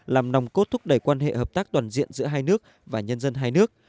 làm nòng cốt thúc đẩy quan hệ hợp tác toàn diện giữa hai nước và nhân dân hai nước